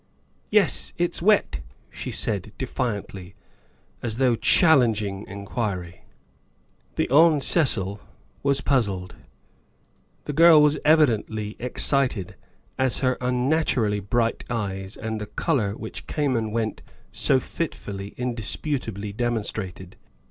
"Yes, it's wet," she said defiantly, as though chal lenging inquiry. The Hon. Cecil was puzzled. The girl was evidently excited, as her unnaturally bright eyes and the color which came and went so fitfully indisputably demon strated.